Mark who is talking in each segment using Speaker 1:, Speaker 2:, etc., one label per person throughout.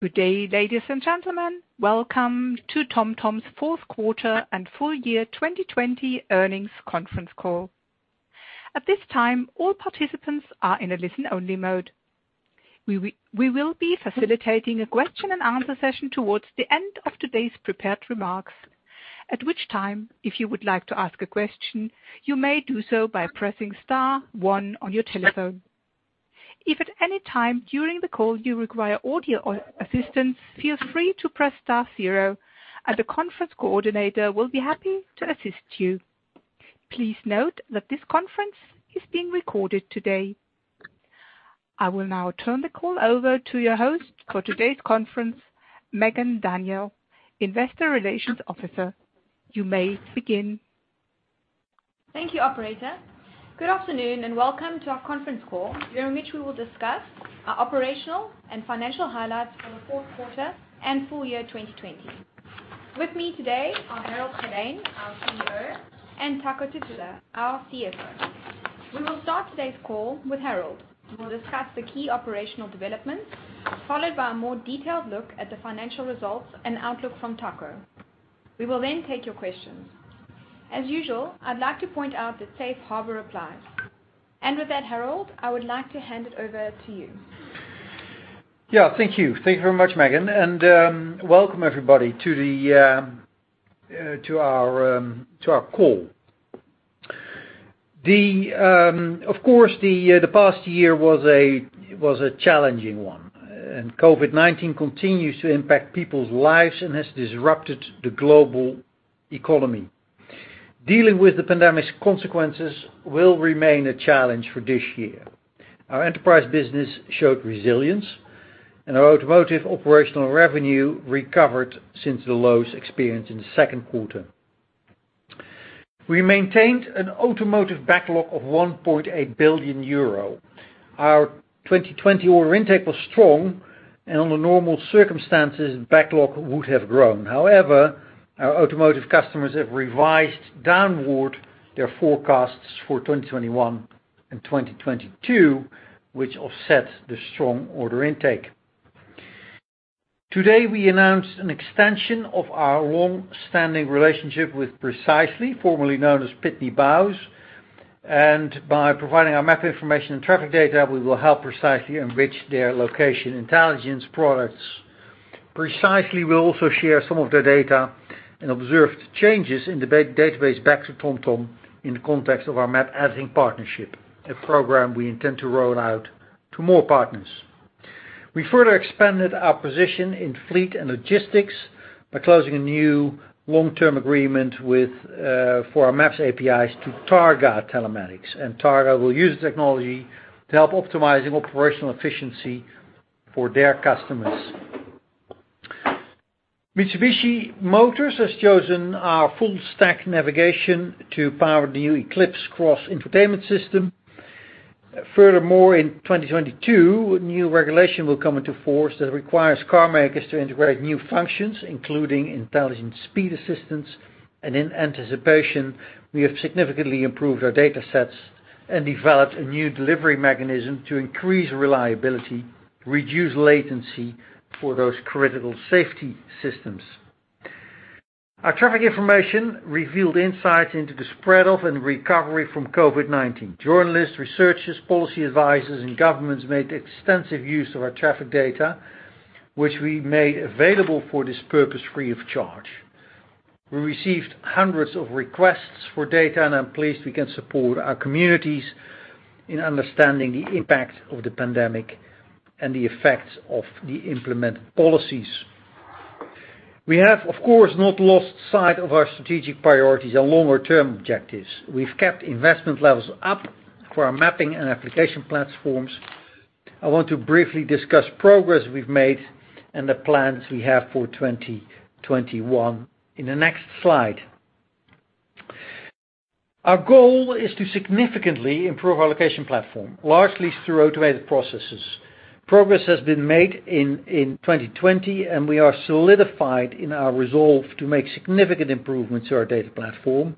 Speaker 1: Good day, ladies and gentlemen. Welcome to TomTom's fourth quarter and full year 2020 earnings conference call. At this time, all participants are in a listen-only mode. We will be facilitating a question and answer session towards the end of today's prepared remarks, at which time, if you would like to ask a question, you may do so by pressing star one on your telephone. If at any time during the call you require audio assistance, feel free to press star zero and the conference coordinator will be happy to assist you. Please note that this conference is being recorded today. I will now turn the call over to your host for today's conference, Megan Daniel, investor relations officer. You may begin.
Speaker 2: Thank you, operator. Good afternoon, welcome to our conference call, during which we will discuss our operational and financial highlights for the fourth quarter and full year 2020. With me today are Harold Goddijn, our CEO, and Taco Titulaer, our CFO. We will start today's call with Harold, who will discuss the key operational developments, followed by a more detailed look at the financial results and outlook from Taco. We will then take your questions. As usual, I'd like to point out that safe harbor applies. With that, Harold, I would like to hand it over to you.
Speaker 3: Yeah, thank you. Thank you very much, Megan, and welcome everybody to our call. Of course, the past year was a challenging one, and COVID-19 continues to impact people's lives and has disrupted the global economy. Dealing with the pandemic's consequences will remain a challenge for this year. Our enterprise business showed resilience, and our automotive operational revenue recovered since the lows experienced in the second quarter. We maintained an automotive backlog of 1.8 billion euro. Our 2020 order intake was strong, and under normal circumstances, backlog would have grown. However, our automotive customers have revised downward their forecasts for 2021 and 2022, which offset the strong order intake. Today, we announced an extension of our long-standing relationship with Precisely, formerly known as Pitney Bowes. By providing our map information and traffic data, we will help Precisely enrich their location intelligence products. Precisely will also share some of their data and observed changes in the database back to TomTom in the context of our map editing partnership, a program we intend to roll out to more partners. We further expanded our position in fleet and logistics by closing a new long-term agreement for our maps APIs to Targa Telematics, and Targa will use the technology to help optimizing operational efficiency for their customers. Mitsubishi Motors has chosen our full stack navigation to power the new Eclipse Cross entertainment system. Furthermore, in 2022, a new regulation will come into force that requires car makers to integrate new functions, including intelligent speed assistance. In anticipation, we have significantly improved our data sets and developed a new delivery mechanism to increase reliability, reduce latency for those critical safety systems. Our traffic information revealed insights into the spread of and recovery from COVID-19. Journalists, researchers, policy advisors, and governments made extensive use of our traffic data, which we made available for this purpose free of charge. We received hundreds of requests for data, and I'm pleased we can support our communities in understanding the impact of the pandemic and the effects of the implemented policies. We have, of course, not lost sight of our strategic priorities and longer-term objectives. We've kept investment levels up for our mapping and application platforms. I want to briefly discuss progress we've made and the plans we have for 2021 in the next slide. Our goal is to significantly improve our location platform, largely through automated processes. Progress has been made in 2020, and we are solidified in our resolve to make significant improvements to our data platform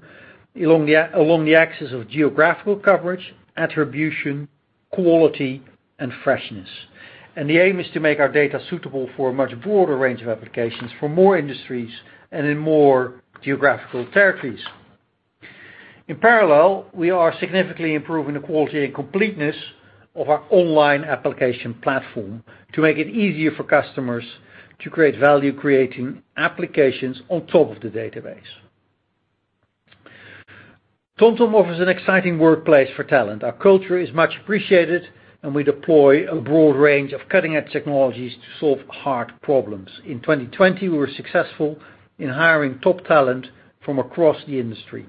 Speaker 3: along the axis of geographical coverage, attribution, quality, and freshness. The aim is to make our data suitable for a much broader range of applications for more industries and in more geographical territories. In parallel, we are significantly improving the quality and completeness of our online application platform to make it easier for customers to create value, creating applications on top of the database. TomTom offers an exciting workplace for talent. Our culture is much appreciated, and we deploy a broad range of cutting-edge technologies to solve hard problems. In 2020, we were successful in hiring top talent from across the industry.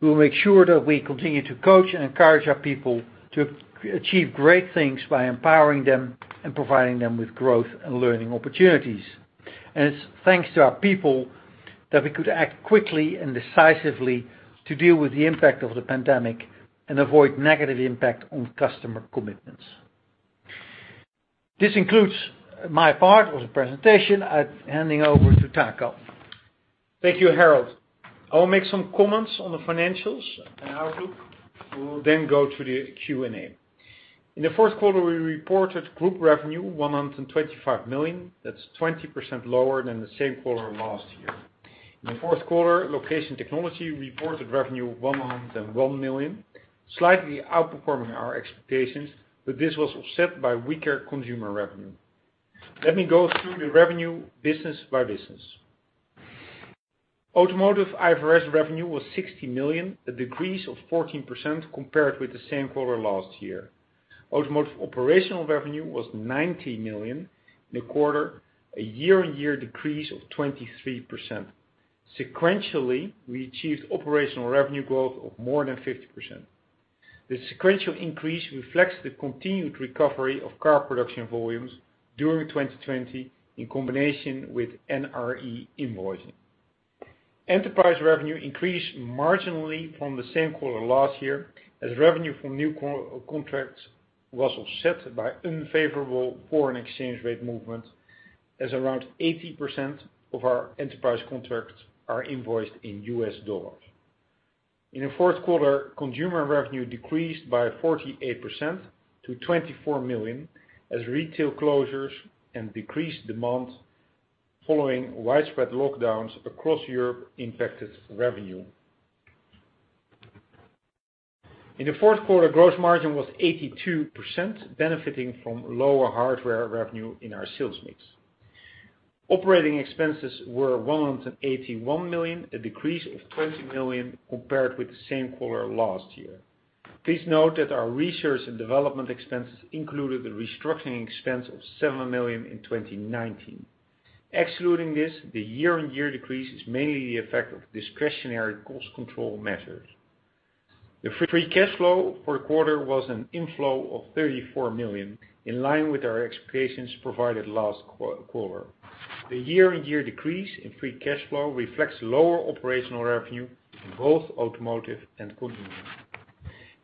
Speaker 3: We will make sure that we continue to coach and encourage our people to achieve great things by empowering them and providing them with growth and learning opportunities. It's thanks to our people that we could act quickly and decisively to deal with the impact of the pandemic and avoid negative impact on customer commitments. This concludes my part of the presentation, I'm handing over to Taco.
Speaker 4: Thank you, Harold. I will make some comments on the financials and outlook. We will then go to the Q&A. In the fourth quarter, we reported group revenue 125 million. That's 20% lower than the same quarter last year. In the fourth quarter, location technology reported revenue of 101 million, slightly outperforming our expectations, but this was offset by weaker consumer revenue. Let me go through the revenue business by business. Automotive IFRS revenue was 60 million, a decrease of 14% compared with the same quarter last year. Automotive operational revenue was 90 million in the quarter, a year-on-year decrease of 23%. Sequentially, we achieved operational revenue growth of more than 50%. The sequential increase reflects the continued recovery of car production volumes during 2020, in combination with NRE invoicing. Enterprise revenue increased marginally from the same quarter last year, as revenue from new contracts was offset by unfavorable foreign exchange rate movement, as around 80% of our enterprise contracts are invoiced in US dollars. In the fourth quarter, consumer revenue decreased by 48% to 24 million, as retail closures and decreased demand following widespread lockdowns across Europe impacted revenue. In the fourth quarter, gross margin was 82%, benefiting from lower hardware revenue in our sales mix. Operating expenses were 181 million, a decrease of 20 million compared with the same quarter last year. Please note that our research and development expenses included a restructuring expense of 7 million in 2019. Excluding this, the year-on-year decrease is mainly the effect of discretionary cost control measures. The free cash flow for the quarter was an inflow of 34 million, in line with our expectations provided last quarter. The year-on-year decrease in free cash flow reflects lower operational revenue in both automotive and consumer.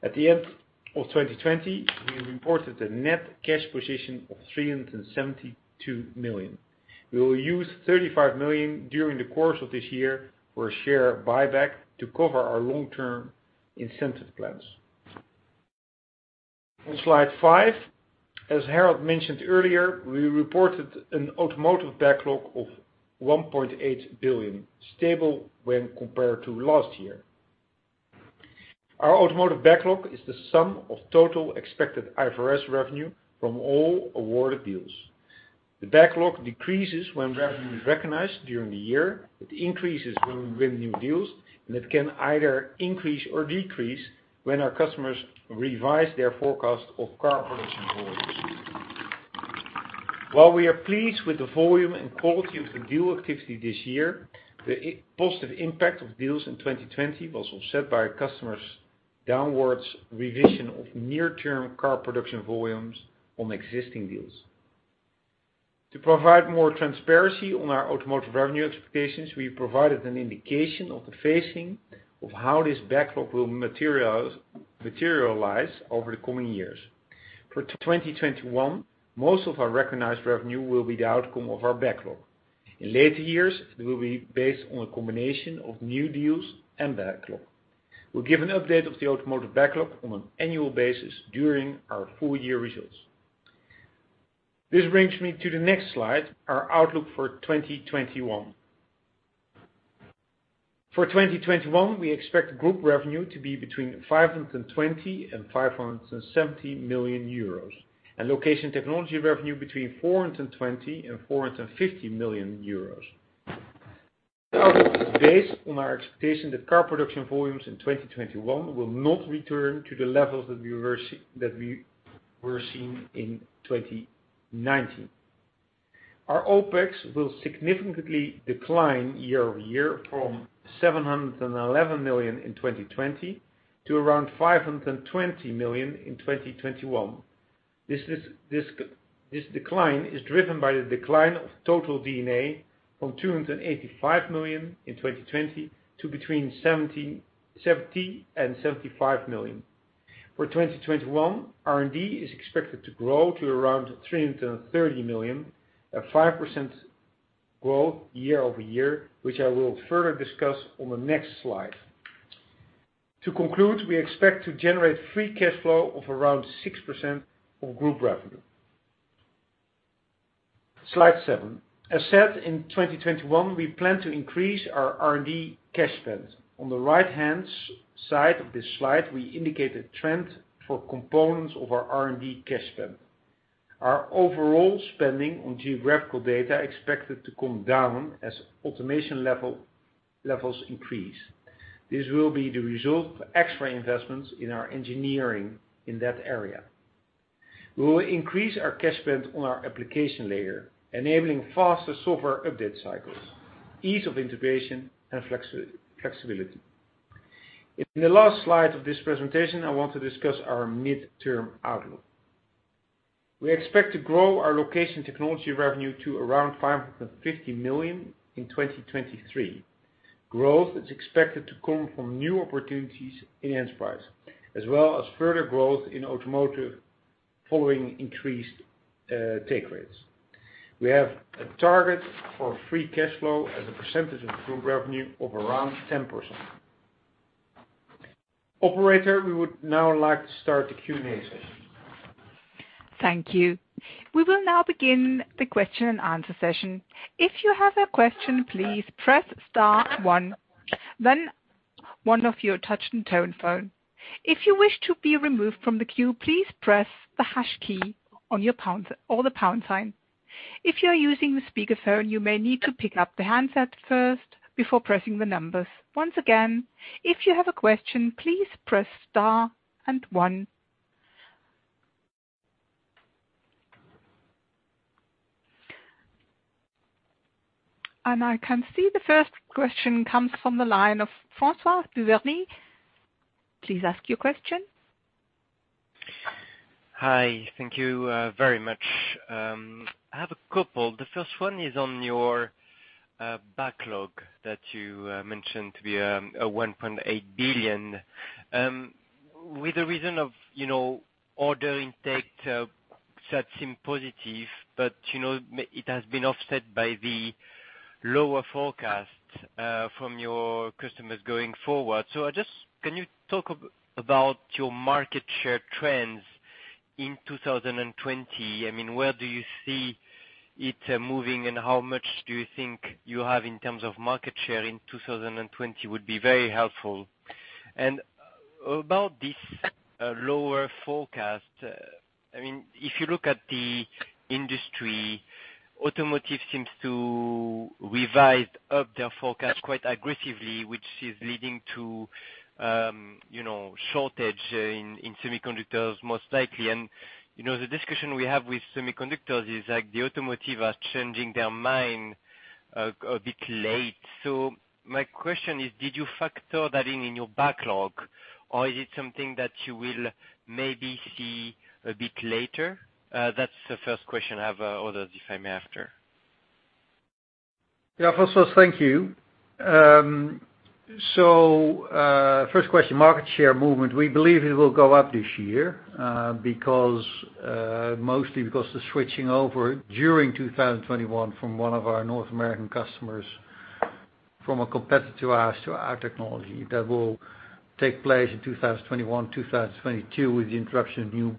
Speaker 4: At the end of 2020, we reported a net cash position of 372 million. We will use 35 million during the course of this year for a share buyback to cover our long-term incentive plans. On slide five, as Harold mentioned earlier, we reported an automotive backlog of 1.8 billion, stable when compared to last year. Our automotive backlog is the sum of total expected IFRS revenue from all awarded deals. The backlog decreases when revenue is recognized during the year. It increases when we win new deals, it can either increase or decrease when our customers revise their forecast of car production volumes. While we are pleased with the volume and quality of the deal activity this year, the positive impact of deals in 2020 was offset by our customers' downwards revision of near-term car production volumes on existing deals. To provide more transparency on our automotive revenue expectations, we provided an indication of the phasing of how this backlog will materialize over the coming years. For 2021, most of our recognized revenue will be the outcome of our backlog. In later years, it will be based on a combination of new deals and backlog. We'll give an update of the automotive backlog on an annual basis during our full year results. This brings me to the next slide, our outlook for 2021. For 2021, we expect group revenue to be between 520 million and 570 million euros, and location technology revenue between 420 million and 450 million euros. This is based on our expectation that car production volumes in 2021 will not return to the levels that we were seeing in 2019. Our OPEX will significantly decline year-over-year from 711 million in 2020 to around 520 million in 2021. This decline is driven by the decline of total D&A from 285 million in 2020 to between 70 million and 75 million. For 2021, R&D is expected to grow to around 330 million, a 5% growth year-over-year, which I will further discuss on the next slide. To conclude, we expect to generate free cash flow of around 6% of group revenue. Slide seven. As said, in 2021, we plan to increase our R&D cash spend. On the right-hand side of this slide, we indicate a trend for components of our R&D cash spend. Our overall spending on geographical data expected to come down as automation levels increase. This will be the result of extra investments in our engineering in that area. We will increase our cash spend on our application layer, enabling faster software update cycles, ease of integration, and flexibility. In the last slide of this presentation, I want to discuss our mid-term outlook. We expect to grow our location technology revenue to around 550 million in 2023. Growth is expected to come from new opportunities in enterprise, as well as further growth in automotive. Following increased take rates. We have a target for free cash flow as a percentage of the group revenue of around 10%. Operator, we would now like to start the Q&A session.
Speaker 1: I can see the first question comes from the line of François Duvernay. Please ask your question.
Speaker 5: Hi. Thank you very much. I have a couple. The first one is on your backlog that you mentioned to be a 1.8 billion. With the reason of order intake, that seems positive, but it has been offset by the lower forecast from your customers going forward. Can you talk about your market share trends in 2020? Where do you see it moving, and how much do you think you have in terms of market share in 2020 would be very helpful. About this lower forecast, if you look at the industry, automotive seems to revise up their forecast quite aggressively, which is leading to shortage in semiconductors, most likely. The discussion we have with semiconductors is the automotive are changing their mind a bit late. My question is, did you factor that in your backlog, or is it something that you will maybe see a bit later? That's the first question. I have others, if I may, after.
Speaker 3: Yeah, François. Thank you. First question, market share movement. We believe it will go up this year, mostly because the switching over during 2021 from one of our North American customers, from a competitor to us, to our technology. That will take place in 2021, 2022 with the introduction of new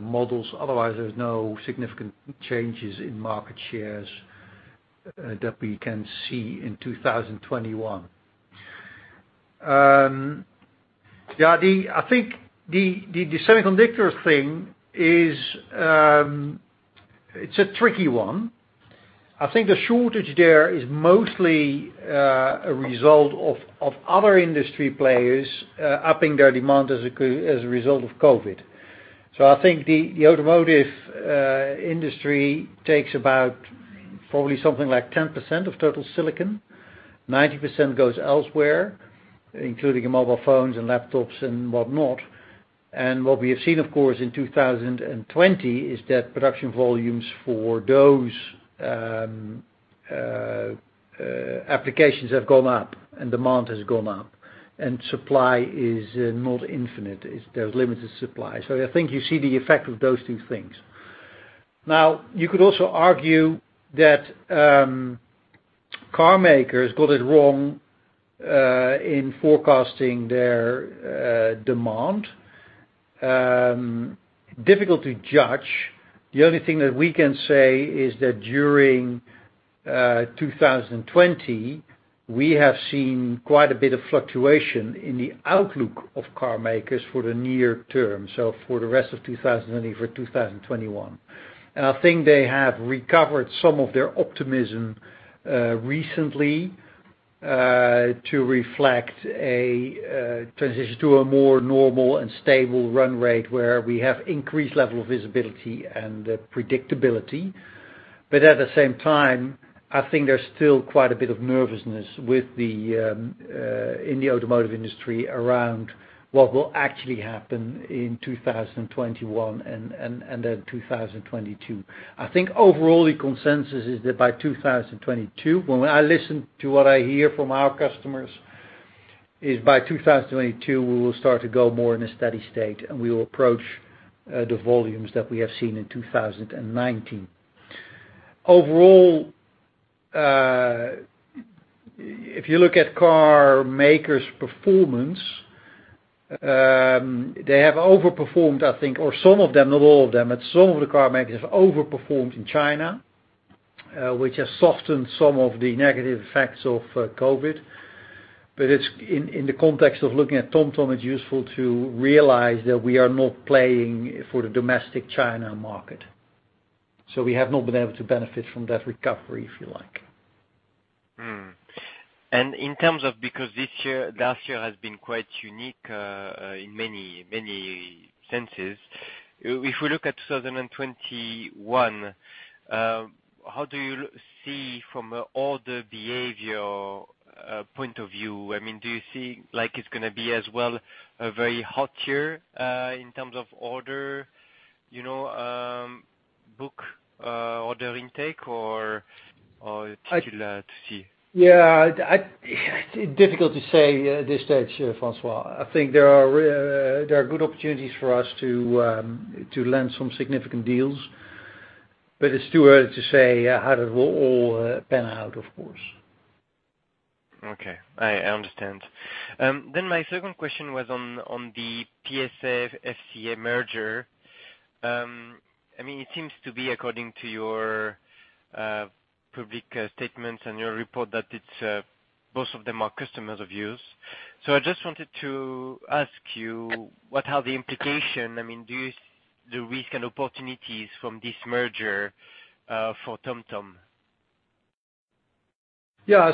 Speaker 3: models. Otherwise, there's no significant changes in market shares that we can see in 2021. I think the semiconductor thing, it's a tricky one. I think the shortage there is mostly a result of other industry players upping their demand as a result of COVID-19. I think the automotive industry takes about probably something like 10% of total silicon. 90% goes elsewhere, including in mobile phones and laptops and what-not. What we have seen, of course, in 2020 is that production volumes for those applications have gone up and demand has gone up, and supply is not infinite. There's limited supply. I think you see the effect of those two things. Now, you could also argue that car makers got it wrong in forecasting their demand. Difficult to judge. The only thing that we can say is that during 2020, we have seen quite a bit of fluctuation in the outlook of car makers for the near term. For the rest of 2020, for 2021. I think they have recovered some of their optimism recently, to reflect a transition to a more normal and stable run rate where we have increased level of visibility and predictability. At the same time, I think there's still quite a bit of nervousness in the automotive industry around what will actually happen in 2021 and then 2022. I think overall, the consensus is that by 2022, when I listen to what I hear from our customers, is by 2022, we will start to go more in a steady state and we will approach the volumes that we have seen in 2019. Overall, if you look at car makers' performance, they have overperformed, I think, or some of them, not all of them, but some of the car makers have overperformed in China, which has softened some of the negative effects of COVID-19. In the context of looking at TomTom, it's useful to realize that we are not playing for the domestic China market. We have not been able to benefit from that recovery, if you like.
Speaker 5: In terms of, because last year has been quite unique in many senses. If we look at 2021, how do you see from an order behavior point of view? Do you see it's going to be as well a very hot year in terms of order book order intake or it's difficult to see?
Speaker 3: Yeah. Difficult to say at this stage, François. I think there are good opportunities for us to land some significant deals. It's too early to say how that will all pan out, of course.
Speaker 5: Okay. I understand. My second question was on the PSA-FCA merger. It seems to be according to your public statements and your report that both of them are customers of yours. I just wanted to ask you what are the implication, do you see the risk and opportunities from this merger, for TomTom?
Speaker 3: I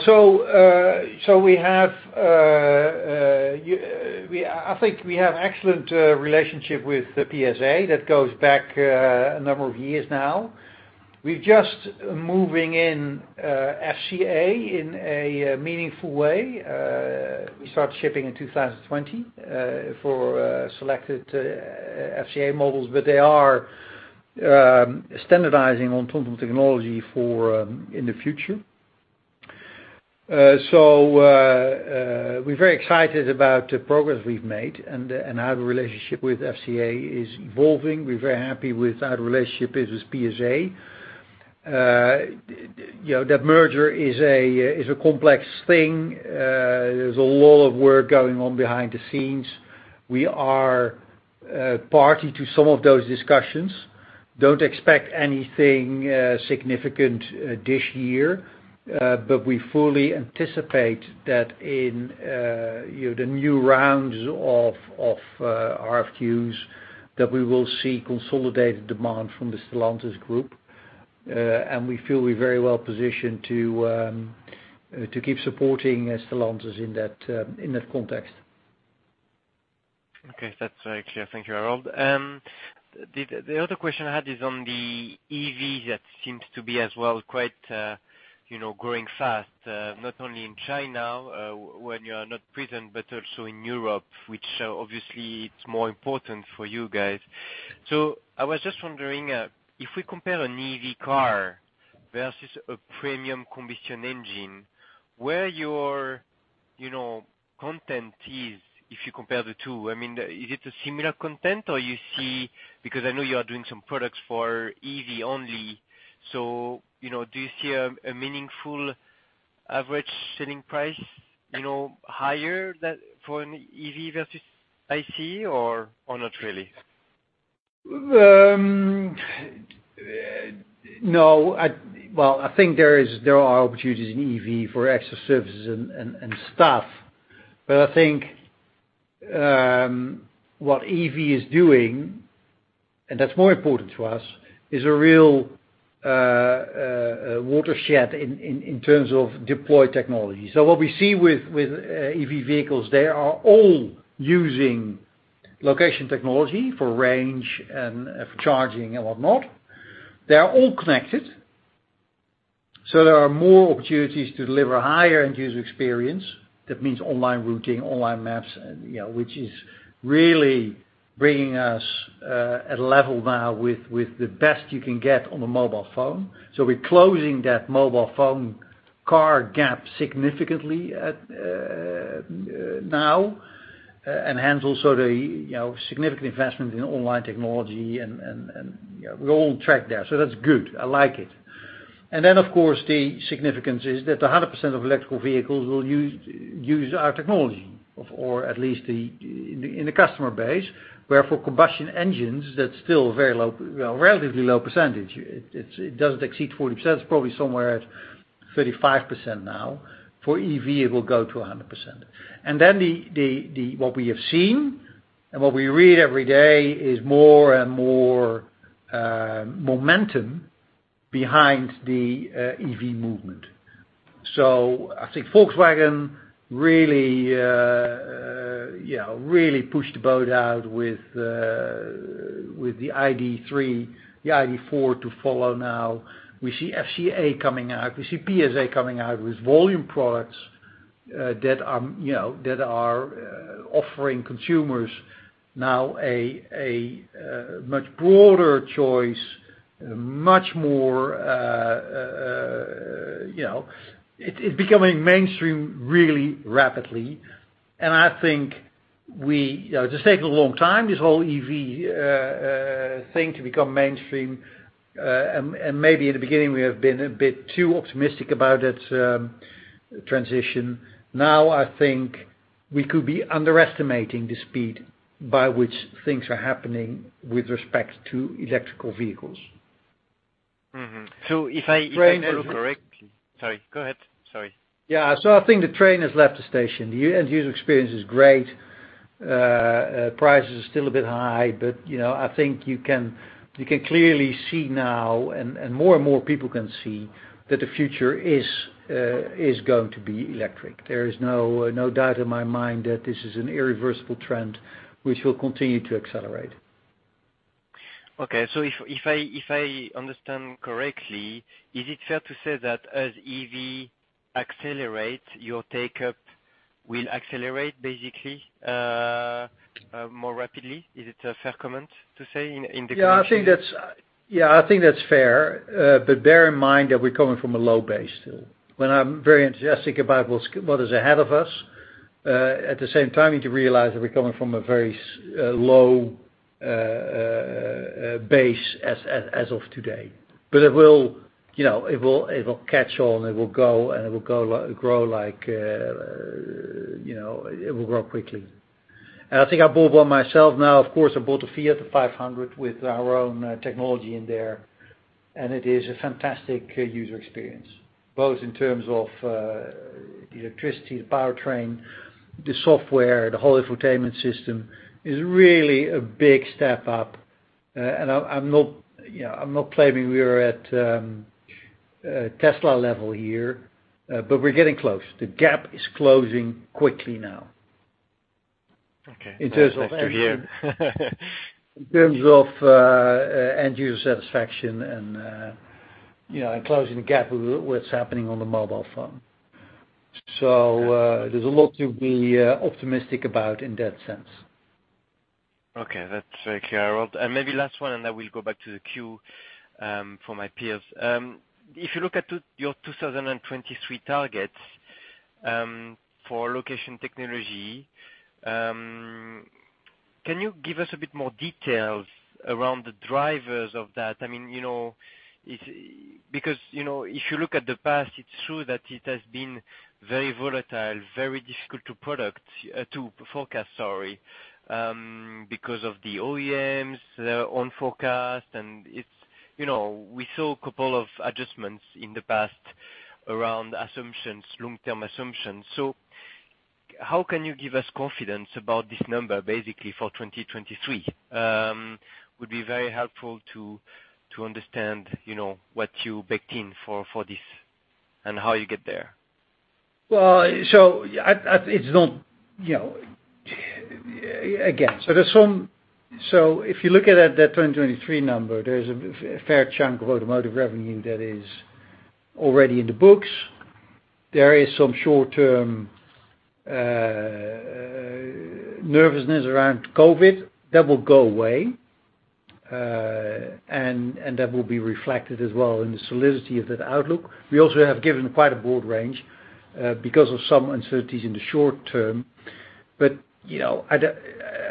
Speaker 3: think we have excellent relationship with PSA that goes back a number of years now. We're just moving in FCA in a meaningful way. We start shipping in 2020, for selected FCA models, but they are standardizing on TomTom technology in the future. We're very excited about the progress we've made and how the relationship with FCA is evolving. We're very happy with how the relationship is with PSA. That merger is a complex thing. There's a lot of work going on behind the scenes. We are party to some of those discussions. Don't expect anything significant this year. We fully anticipate that in the new rounds of RFQs, that we will see consolidated demand from the Stellantis group. We feel we're very well positioned to keep supporting Stellantis in that context.
Speaker 5: Okay. That's very clear. Thank you, Harold. The other question I had is on the EV that seems to be as well quite growing fast, not only in China, where you are not present, but also in Europe, which obviously it's more important for you guys. I was just wondering, if we compare an EV car versus a premium combustion engine, where your content is, if you compare the two. Is it a similar content or you see, because I know you are doing some products for EV only, so do you see a meaningful average selling price, higher that for an EV versus ICE or not really?
Speaker 3: No. Well, I think there are opportunities in EV for extra services and stuff. I think what EV is doing, and that's more important to us, is a real watershed in terms of deploy technology. What we see with EV vehicles, they are all using location technology for range and for charging and whatnot. They are all connected, so there are more opportunities to deliver higher end user experience. That means online routing, online maps, which is really bringing us at a level now with the best you can get on a mobile phone. We're closing that mobile phone car gap significantly now, and hence also the significant investment in online technology and we're on track there. That's good. I like it. Of course, the significance is that 100% of electrical vehicles will use our technology or at least in the customer base, where for combustion engines, that's still a relatively low percentage. It doesn't exceed 40%. It's probably somewhere at 35% now. For EV, it will go to 100%. What we have seen and what we read every day is more and more momentum behind the EV movement. I think Volkswagen really pushed the boat out with the ID.3, the ID.4 to follow now. We see FCA coming out, we see PSA coming out with volume products that are offering consumers now a much broader choice. It's becoming mainstream really rapidly. I think it has taken a long time, this whole EV thing to become mainstream. Maybe in the beginning we have been a bit too optimistic about that transition. I think we could be underestimating the speed by which things are happening with respect to electrical vehicles.
Speaker 5: Mm-hmm. Sorry, go ahead. Sorry.
Speaker 3: Yeah. I think the train has left the station. The end user experience is great. Prices are still a bit high. I think you can clearly see now and more and more people can see that the future is going to be electric. There is no doubt in my mind that this is an irreversible trend which will continue to accelerate.
Speaker 5: Okay. If I understand correctly, is it fair to say that as EV accelerates, your take-up will accelerate basically more rapidly? Is it a fair comment to say?
Speaker 3: I think that's fair. Bear in mind that we're coming from a low base. When I'm very enthusiastic about what is ahead of us, at the same time, you need to realize that we're coming from a very low base as of today. It will catch on, it will go and it will grow quickly. I think I bought one myself now, of course, I bought a Fiat 500 with our own technology in there, and it is a fantastic user experience, both in terms of the electricity, the powertrain, the software, the whole infotainment system, is really a big step up. I'm not claiming we are at Tesla level here, but we're getting close. The gap is closing quickly now.
Speaker 5: Okay.
Speaker 3: In terms of end user satisfaction and closing the gap with what's happening on the mobile phone. There's a lot to be optimistic about in that sense.
Speaker 5: Okay. That's very clear, Harold. Maybe last one, and I will go back to the queue, for my peers. If you look at your 2023 targets, for location technology, can you give us a bit more details around the drivers of that? If you look at the past, it's true that it has been very volatile, very difficult to forecast, because of the OEMs, their own forecast, and we saw a couple of adjustments in the past around long-term assumptions. How can you give us confidence about this number basically for 2023? Would be very helpful to understand what you backed in for this and how you get there.
Speaker 3: If you look at that 2023 number, there is a fair chunk of automotive revenue that is already in the books. There is some short-term nervousness around COVID that will go away, and that will be reflected as well in the solidity of that outlook. We also have given quite a broad range, because of some uncertainties in the short term. I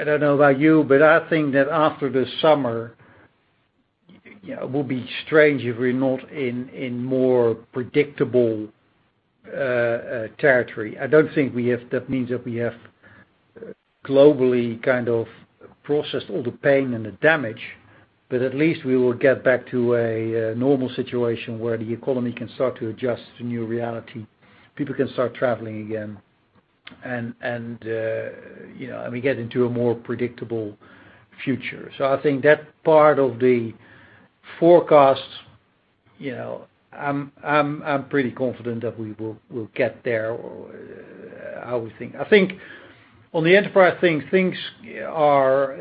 Speaker 3: don't know about you, but I think that after the summer, it will be strange if we are not in more predictable territory. I don't think that means that we have globally processed all the pain and the damage, but at least we will get back to a normal situation where the economy can start to adjust to new reality. People can start traveling again. We get into a more predictable future. I think that part of the forecast, I am pretty confident that we will get there or how we think. I think on the enterprise things are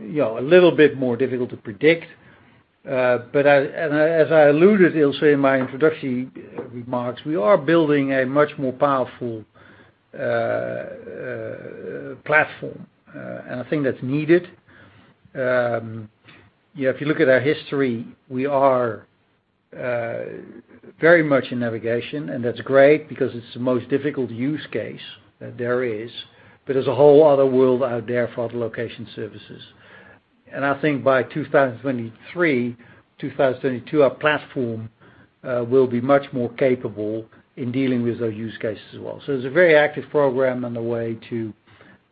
Speaker 3: a little bit more difficult to predict. As I alluded, in my introduction remarks, we are building a much more powerful platform, and I think that's needed. If you look at our history, we are very much in navigation, and that's great because it's the most difficult use case that there is, but there's a whole other world out there for other location services. I think by 2023, 2022, our platform will be much more capable in dealing with those use cases as well. It's a very active program underway to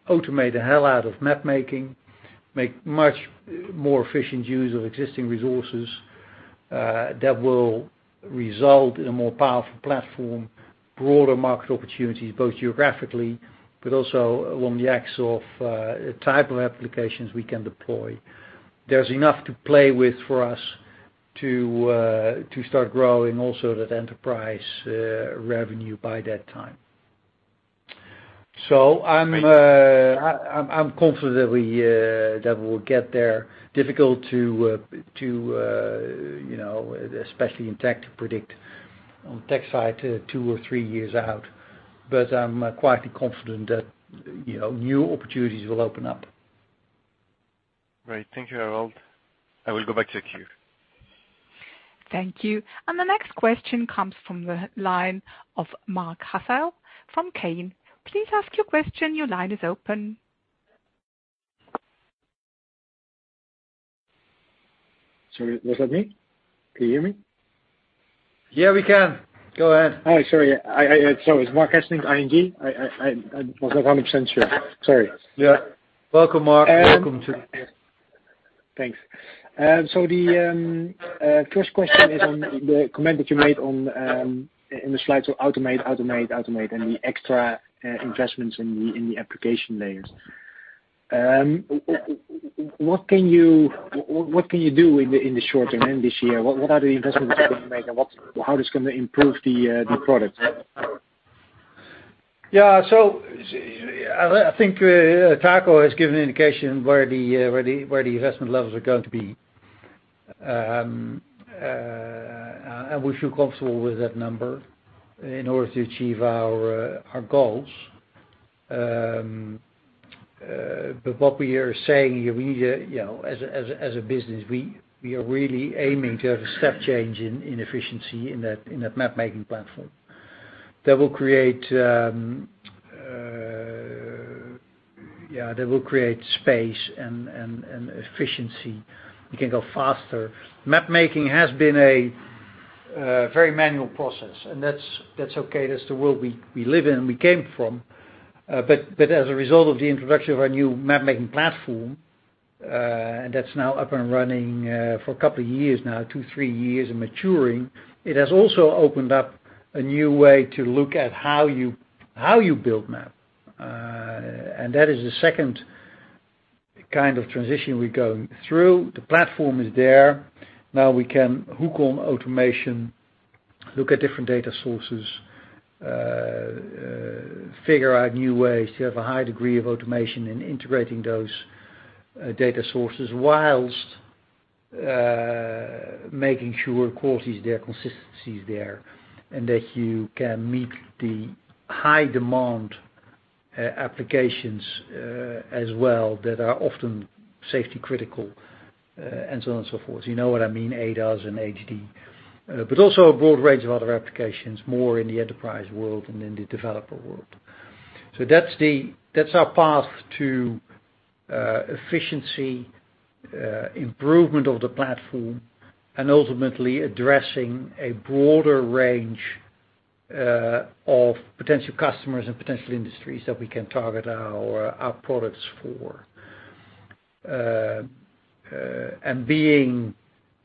Speaker 3: automate the hell out of map making, make much more efficient use of existing resources, that will result in a more powerful platform, broader market opportunities, both geographically but also along the axis of type of applications we can deploy. There's enough to play with for us to start growing also that enterprise revenue by that time. I'm confident that we'll get there. Difficult, especially in tech, to predict on tech side two or three years out. I'm quietly confident that new opportunities will open up.
Speaker 5: Great. Thank you, Harold. I will go back to queue.
Speaker 1: Thank you. The next question comes from the line of Marc Hesselink from ING. Please ask your question. Your line is open.
Speaker 6: Sorry, was that me? Can you hear me?
Speaker 3: Yeah, we can. Go ahead.
Speaker 6: Hi. Sorry. It's Marc Hesselink, ING. I was not 100% sure. Sorry.
Speaker 3: Yeah. Welcome, Marc.
Speaker 6: Thanks. The first question is on the comment that you made in the slides, automate. The extra investments in the application layers. What can you do in the short term, end of this year? What are the investments you are going to make and how it is going to improve the product?
Speaker 3: I think Taco has given an indication where the investment levels are going to be. We feel comfortable with that number in order to achieve our goals. What we are saying here, as a business, we are really aiming to have a step change in efficiency in that mapmaking platform. That will create space and efficiency. We can go faster. Mapmaking has been a very manual process, and that's okay. That's the world we live in, we came from. As a result of the introduction of our new mapmaking platform, that's now up and running for a couple of years now, two, three years and maturing, it has also opened up a new way to look at how you build maps. That is the second kind of transition we're going through. The platform is there. Now we can hook on automation, look at different data sources, figure out new ways to have a high degree of automation in integrating those data sources while making sure quality is there, consistency is there, and that you can meet the high demand applications as well that are often safety critical and so on and so forth. You know what I mean, ADAS and HD. Also a broad range of other applications, more in the enterprise world than in the developer world. That's our path to efficiency, improvement of the platform, and ultimately addressing a broader range of potential customers and potential industries that we can target our products for.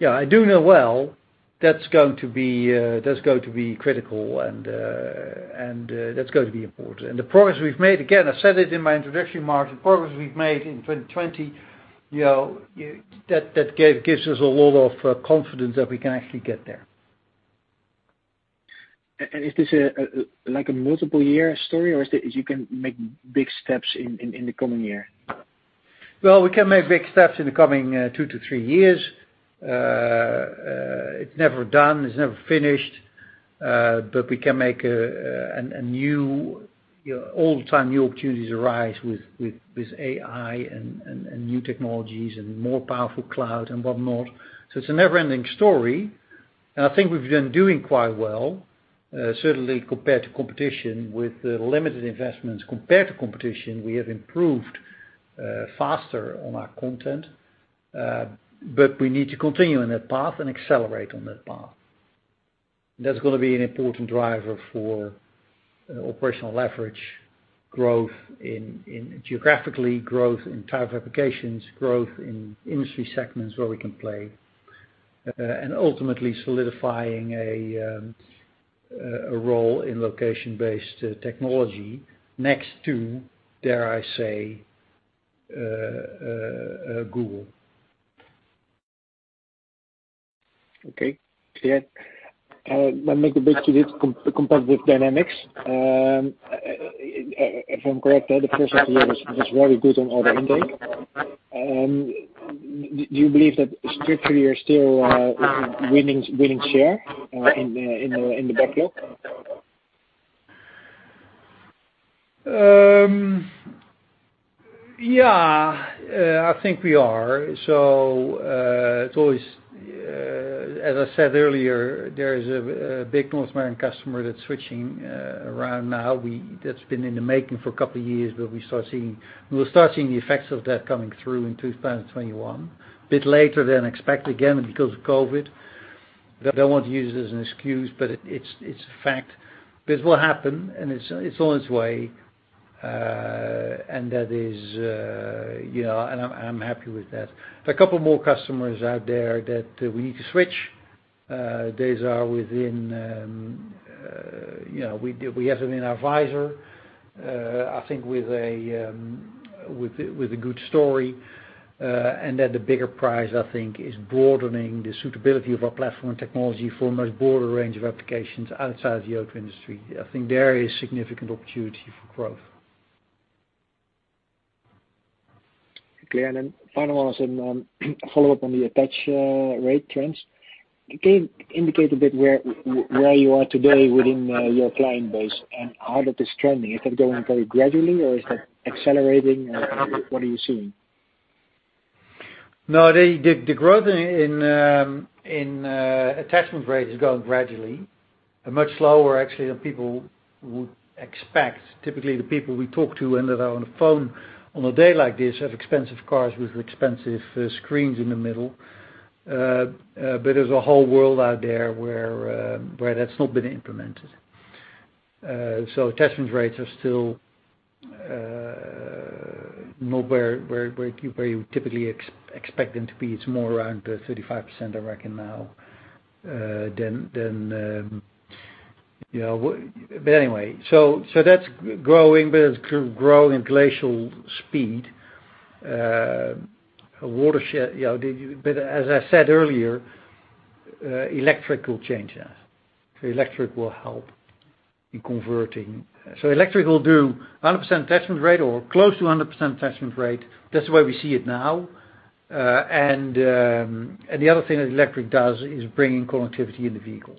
Speaker 3: I do know well, that's going to be critical and that's going to be important. The progress we've made, again, I said it in my introduction, Marc, the progress we've made in 2020, that gives us a lot of confidence that we can actually get there.
Speaker 6: Is this like a multiple year story, or you can make big steps in the coming year?
Speaker 3: Well, we can make big steps in the coming two to three years. It's never done, it's never finished, but we can make anew. All the time, new opportunities arise with AI and new technologies and more powerful cloud and whatnot. It's a never-ending story, and I think we've been doing quite well, certainly compared to competition with limited investments. Compared to competition, we have improved faster on our content, but we need to continue on that path and accelerate on that path. That's going to be an important driver for operational leverage, growth in geography, growth in type of applications, growth in industry segments where we can play, and ultimately solidifying a role in location-based technology. Next to, dare I say, Google.
Speaker 6: Okay, clear. Might make a bit to this comparative dynamics. If I'm correct, the first half of the year was very good on order intake. Do you believe that structurally you're still winning share in the backlog?
Speaker 3: Yeah, I think we are. As I said earlier, there is a big North American customer that's switching around now. That's been in the making for a couple of years, but we'll start seeing the effects of that coming through in 2021, a bit later than expected, again, because of COVID. I don't want to use it as an excuse, but it's a fact. It will happen, and it's on its way, and I'm happy with that. There are a couple more customers out there that we need to switch. Those are within We have them in our visor, I think with a good story, and at a bigger price, I think, is broadening the suitability of our platform technology for a much broader range of applications outside the auto industry. I think there is significant opportunity for growth.
Speaker 6: Clear. Final one is a follow-up on the attach rate trends. Can you indicate a bit where you are today within your client base and how that is trending? Is that going very gradually or is that accelerating? What are you seeing?
Speaker 3: No, the growth in attachment rate is going gradually, much slower, actually, than people would expect. Typically, the people we talk to and that are on the phone on a day like this have expensive cars with expensive screens in the middle. There's a whole world out there where that's not been implemented. Attachment rates are still not where you typically expect them to be. It's more around the 35%, I reckon, now. Anyway, that's growing, but it's growing at glacial speed. As I said earlier, electric will change that. Electric will help in converting. Electric will do 100% attachment rate or close to 100% attachment rate. That's the way we see it now. The other thing that electric does is bring in connectivity in the vehicle.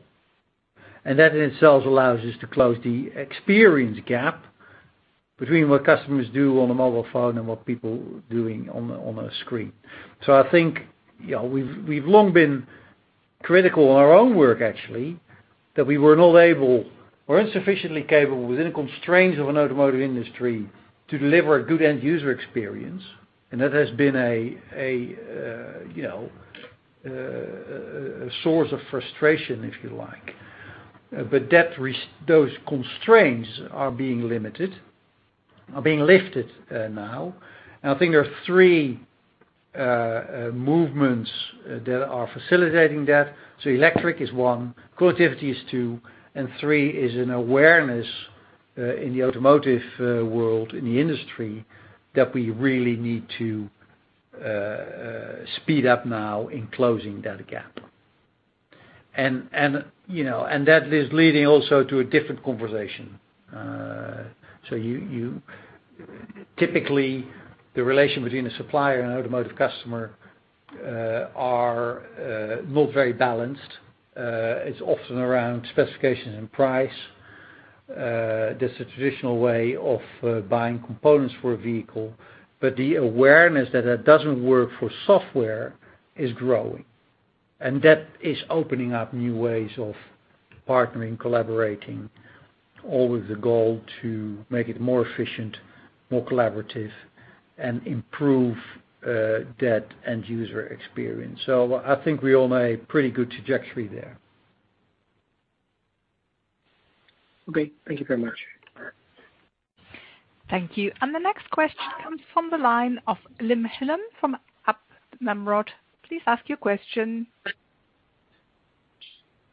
Speaker 3: That in itself allows us to close the experience gap between what customers do on a mobile phone and what people are doing on a screen. I think we've long been critical in our own work actually, that we were not able or insufficiently capable within the constraints of an automotive industry to deliver a good end user experience, and that has been a source of frustration, if you like. Those constraints are being lifted now, and I think there are three movements that are facilitating that. Electric is one, connectivity is two, and three is an awareness in the automotive world, in the industry, that we really need to speed up now in closing that gap. That is leading also to a different conversation. Typically, the relation between a supplier and automotive customer are not very balanced. It's often around specifications and price. That's the traditional way of buying components for a vehicle. The awareness that that doesn't work for software is growing, and that is opening up new ways of partnering, collaborating, all with the goal to make it more efficient, more collaborative, and improve that end user experience. I think we're on a pretty good trajectory there.
Speaker 6: Okay. Thank you very much.
Speaker 3: All right.
Speaker 1: Thank you. The next question comes from the line of [Wim Gille] from ABN AMRO. Please ask your question.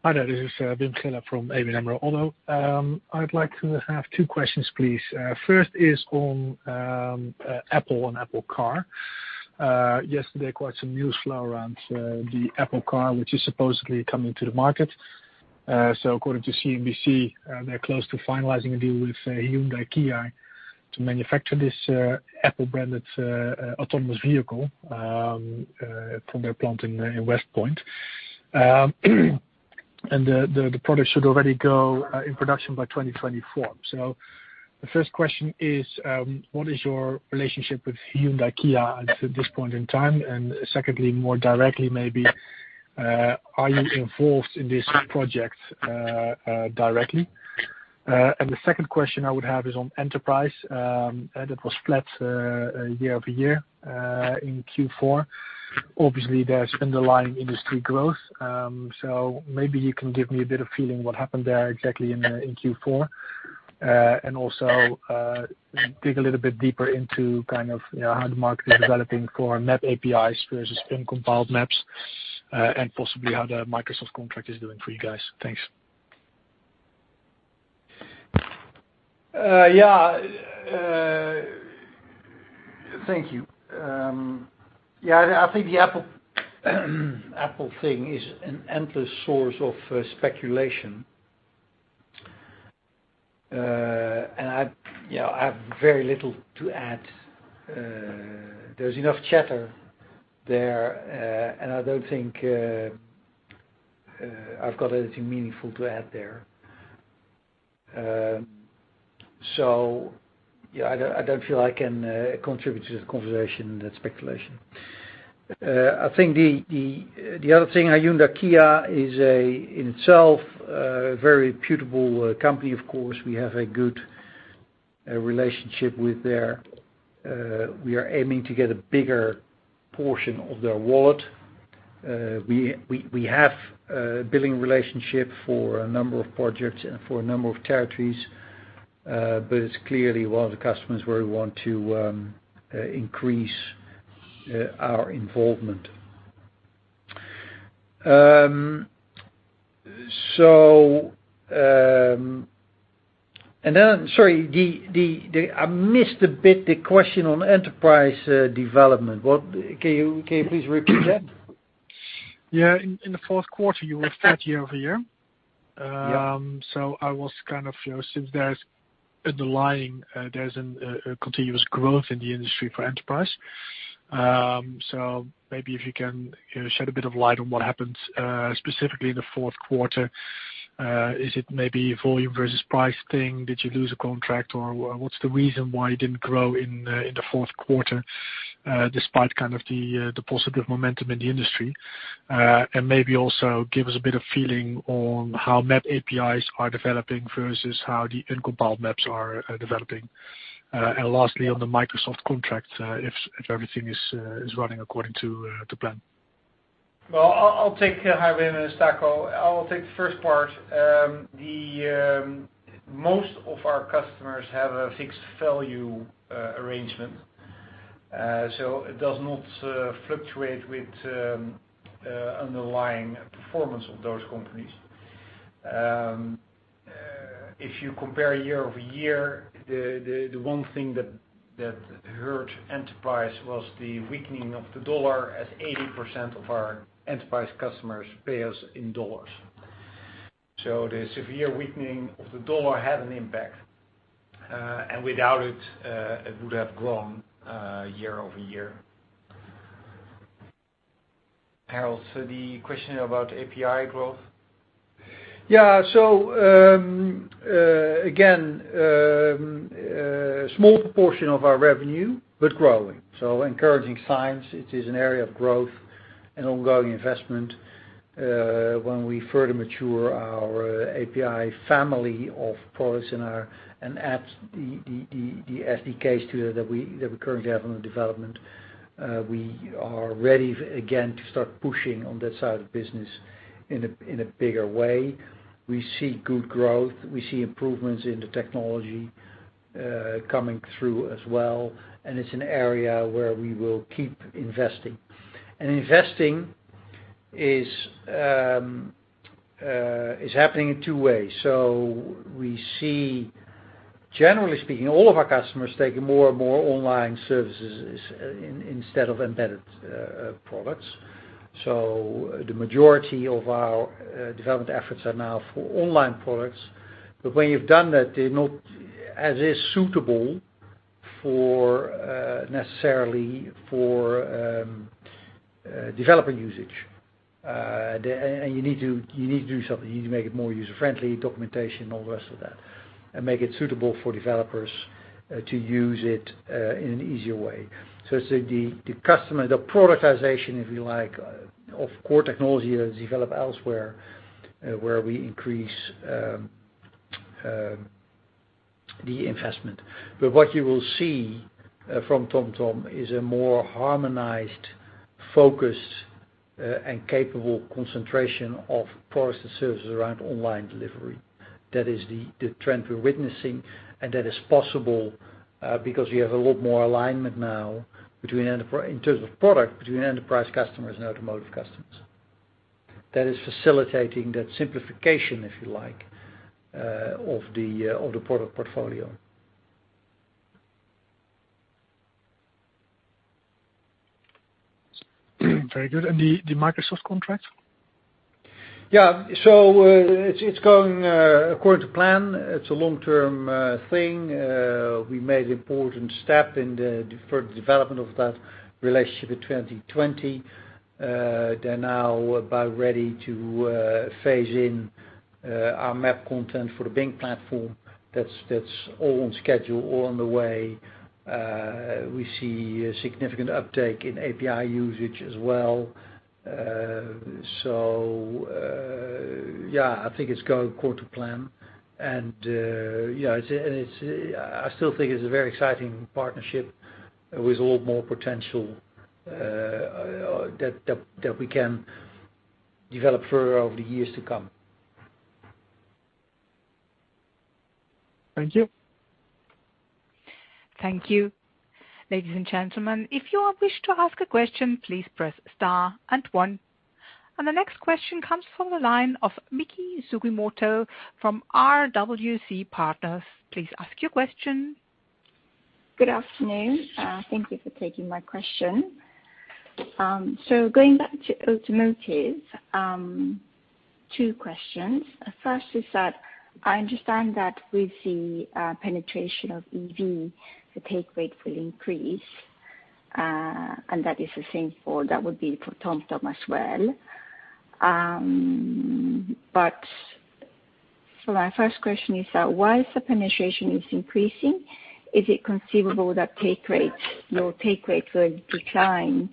Speaker 7: Hi there. This is Wim Gille from ABN AMRO. I would like to have two questions, please. First is on Apple and Apple Car. Yesterday, quite some news flow around the Apple Car, which is supposedly coming to the market. According to CNBC, they're close to finalizing a deal with Hyundai-Kia to manufacture this Apple-branded autonomous vehicle from their plant in West Point. The product should already go in production by 2024. The first question is, what is your relationship with Hyundai-Kia at this point in time? Secondly, more directly maybe, are you involved in this project directly? The second question I would have is on Enterprise. That was flat year-over-year in fourth quarter. Obviously, there's underlying industry growth. Maybe you can give me a bit of feeling what happened there exactly in fourth quarter. Also, dig a little bit deeper into how the market is developing for map APIs versus in compiled maps, and possibly how the Microsoft contract is doing for you guys. Thanks.
Speaker 3: Yeah. Thank you. I think the Apple thing is an endless source of speculation. I have very little to add. There's enough chatter there, and I don't think I've got anything meaningful to add there. I don't feel I can contribute to the conversation and that speculation. I think the other thing, Hyundai-Kia is in itself a very reputable company, of course. We have a good relationship with there. We are aiming to get a bigger portion of their wallet. We have a billing relationship for a number of projects and for a number of territories, but it's clearly one of the customers where we want to increase our involvement. Sorry, I missed a bit the question on Enterprise development. Can you please repeat that?
Speaker 7: Yeah. In the fourth quarter, you were flat year-over-year.
Speaker 3: Yeah.
Speaker 7: I was kind of, since there's a continuous growth in the industry for enterprise. Maybe if you can shed a bit of light on what happened, specifically in the fourth quarter. Is it maybe volume versus price thing? Did you lose a contract, or what's the reason why you didn't grow in the fourth quarter, despite the positive momentum in the industry? Maybe also give us a bit of feeling on how map APIs are developing versus how the in-compiled maps are developing. Lastly, on the Microsoft contract, if everything is running according to plan.
Speaker 4: Well, I'll take, hi Wim, it's Taco. I'll take the first part. Most of our customers have a fixed value arrangement. It does not fluctuate with underlying performance of those companies. If you compare year-over-year, the one thing that hurt Enterprise was the weakening of the USD as 80% of our Enterprise customers pay us in USD. The severe weakening of the USD had an impact, and without it would have grown year-over-year. Harold, the question about API growth?
Speaker 3: Yeah. Again, small proportion of our revenue, but growing, so encouraging signs. It is an area of growth and ongoing investment. When we further mature our API family of products and add the SDKs that we currently have under development, we are ready again to start pushing on that side of the business in a bigger way. We see good growth. We see improvements in the technology coming through as well, and it's an area where we will keep investing. Investing is happening in two ways. We see, generally speaking, all of our customers taking more and more online services instead of embedded products. When you've done that, they're not as is suitable necessarily for developer usage. You need to do something. You need to make it more user-friendly, documentation, all the rest of that, and make it suitable for developers to use it in an easier way. It's the customer, the productization, if you like, of core technology that is developed elsewhere, where we increase the investment. What you will see from TomTom is a more harmonized, focused, and capable concentration of products and services around online delivery. That is the trend we're witnessing, and that is possible because we have a lot more alignment now in terms of product between enterprise customers and automotive customers. That is facilitating that simplification, if you like, of the product portfolio.
Speaker 4: Very good. The Microsoft contract?
Speaker 3: Yeah. It's going according to plan. It's a long-term thing. We made important step in the further development of that relationship in 2020. They're now about ready to phase in our map content for the Bing platform. That's all on schedule, all on the way. We see a significant uptake in API usage as well. Yeah, I think it's going according to plan, and I still think it's a very exciting partnership with a lot more potential that we can develop further over the years to come.
Speaker 4: Thank you.
Speaker 1: Thank you. Ladies and gentlemen, if you wish to ask a question, please press star and one. The next question comes from the line of Miki Sugimoto from RWC Partners. Please ask your question.
Speaker 8: Good afternoon. Thank you for taking my question. Going back to automotives, two questions. First is that I understand that with the penetration of EV, the take rate will increase, and that is the same for, that would be for TomTom as well. My first question is that whilst the penetration is increasing, is it conceivable that your take rate will decline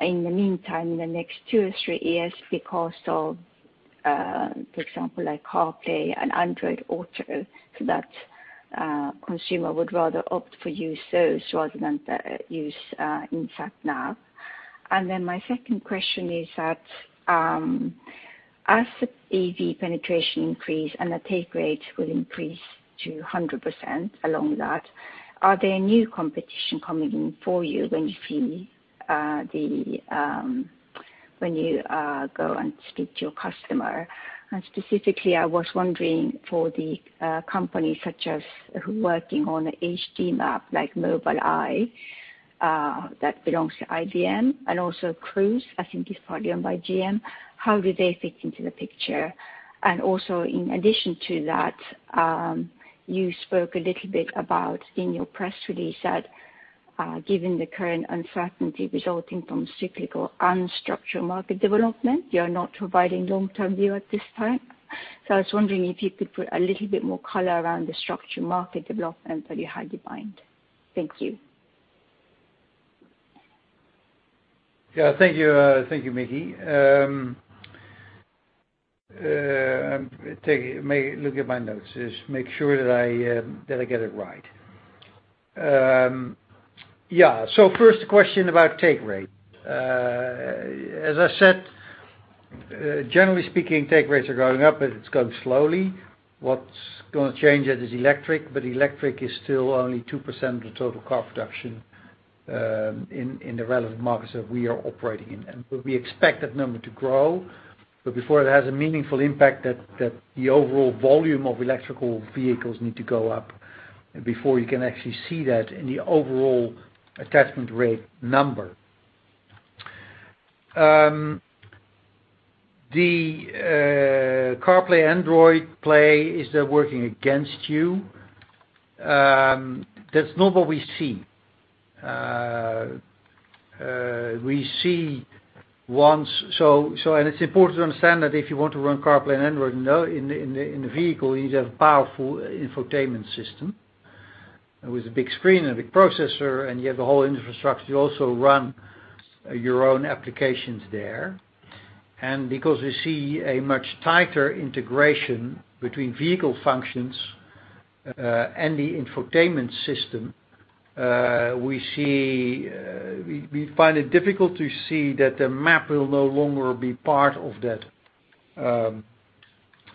Speaker 8: in the meantime, in the next two or three years because of, for example, like CarPlay and Android Auto, so that consumer would rather opt for use those rather than use in-sat nav? My second question is that, as the EV penetration increase and the take rate will increase to 100% along that, are there new competition coming in for you when you go and speak to your customer? Specifically, I was wondering for the companies such as who working on a HD Map, like Mobileye, that belongs to Intel, and also Cruise, I think it's partly owned by GM, how do they fit into the picture? Also, in addition to that, you spoke a little bit about in your press release that given the current uncertainty resulting from cyclical and structural market development, you're not providing long-term view at this time. I was wondering if you could put a little bit more color around the structural market development that you had defined. Thank you.
Speaker 3: Yeah. Thank you, Miki. Let me look at my notes, just make sure that I get it right. Yeah. First question about take rate. As I said, generally speaking, take rates are going up, but it's going slowly. What's going to change that is electric, but electric is still only 2% of the total car production in the relevant markets that we are operating in. We expect that number to grow, but before it has a meaningful impact that the overall volume of electrical vehicles need to go up before you can actually see that in the overall attachment rate number. The CarPlay, Android Auto, is that working against you? That's not what we see. It's important to understand that if you want to run CarPlay and Android in the vehicle, you need to have powerful infotainment system with a big screen and a big processor, and you have the whole infrastructure. You also run your own applications there. Because we see a much tighter integration between vehicle functions, and the infotainment system, we find it difficult to see that the map will no longer be part of that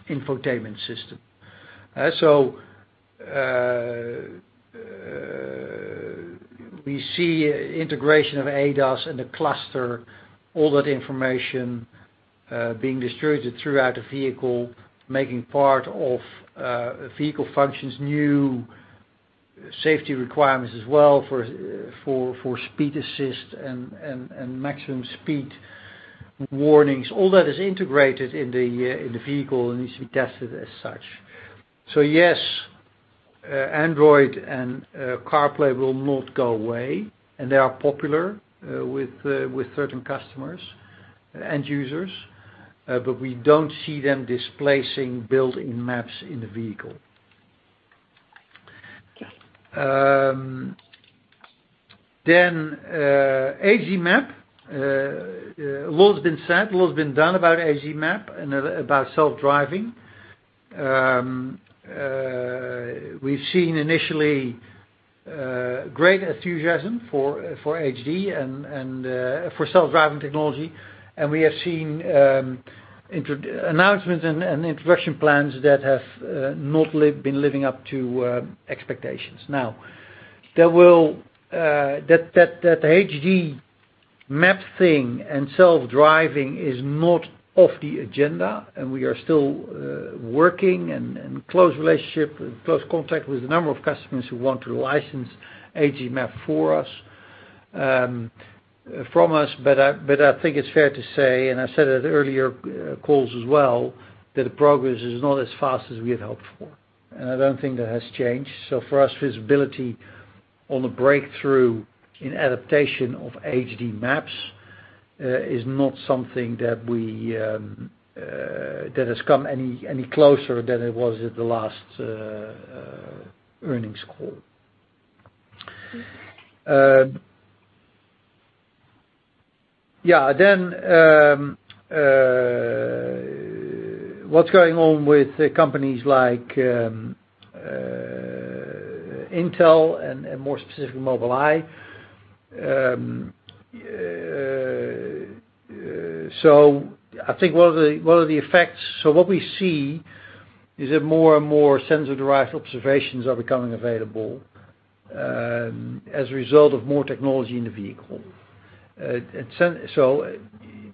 Speaker 3: infotainment system. We see integration of ADAS and the cluster, all that information, being distributed throughout the vehicle, making part of vehicle functions, new safety requirements as well for speed assist and maximum speed warnings. All that is integrated in the vehicle and needs to be tested as such. Yes, Android and CarPlay will not go away. They are popular with certain customers, end users. We don't see them displacing built-in maps in the vehicle.
Speaker 8: Okay.
Speaker 3: HD Map. A lot has been said, a lot has been done about HD Map and about self-driving. We've seen initially great enthusiasm for HD and for self-driving technology. We have seen announcements and introduction plans that have not been living up to expectations. That HD Map thing and self-driving is not off the agenda, and we are still working and close relationship, close contact with a number of customers who want to license HD Map from us. I think it's fair to say, and I said it at earlier calls as well, that the progress is not as fast as we had hoped for. I don't think that has changed. For us, visibility on the breakthrough in adaptation of HD Maps is not something that has come any closer than it was at the last earnings call.
Speaker 8: Okay.
Speaker 3: Yeah. What's going on with companies like Intel and more specifically Mobileye? I think one of the effects, what we see is that more and more sensor-derived observations are becoming available, as a result of more technology in the vehicle.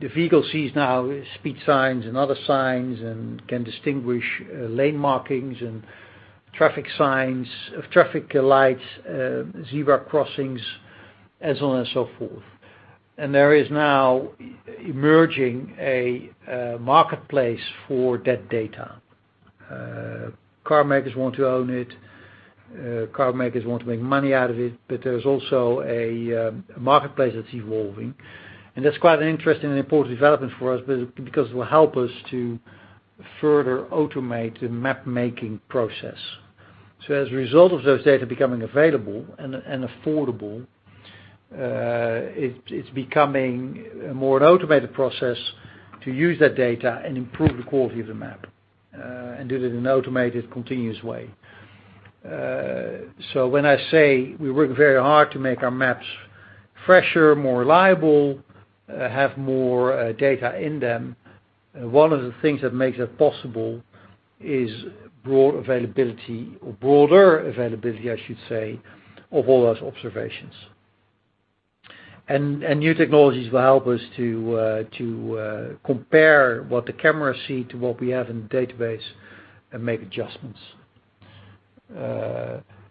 Speaker 3: The vehicle sees now speed signs and other signs and can distinguish lane markings and traffic signs, traffic lights, zebra crossings, as on and so forth. There is now emerging a marketplace for that data. Car makers want to own it. Car makers want to make money out of it, but there's also a marketplace that's evolving. That's quite an interesting and important development for us because it will help us to further automate the mapmaking process. As a result of those data becoming available and affordable, it's becoming a more automated process to use that data and improve the quality of the map, and do it in an automated, continuous way. When I say we work very hard to make our maps fresher, more reliable, have more data in them, one of the things that makes that possible is broad availability or broader availability, I should say, of all those observations. New technologies will help us to compare what the cameras see to what we have in the database and make adjustments.